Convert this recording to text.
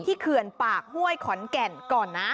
เขื่อนปากห้วยขอนแก่นก่อนนะ